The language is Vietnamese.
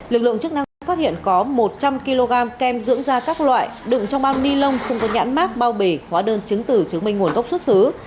lực lượng chức năng đã phát hiện có một trăm linh kg kem dưỡng da các loại đựng trong bao ni lông không có nhãn mát bao bì hóa đơn chứng tử chứng minh nguồn gốc xuất xứ